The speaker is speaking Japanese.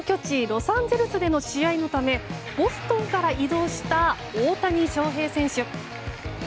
ロサンゼルスでの試合のためボストンから移動した大谷翔平選手。